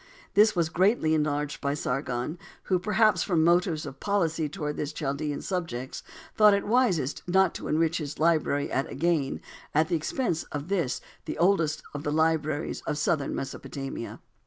This was greatly enlarged by Sargon, who, perhaps from motives of policy towards his Chaldean subjects, thought it wisest not to enrich his library at Agane at the expense of this the oldest of the libraries of southern Mesopotamia.